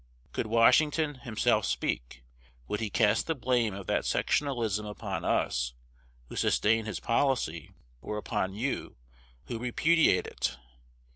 Could Washington himself speak, would he cast the blame of that sectionalism upon us, who sustain his policy, or upon you, who repudiate it?